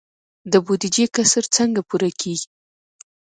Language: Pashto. د بودیجې کسر څنګه پوره کیږي؟